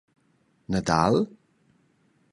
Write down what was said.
Nadal?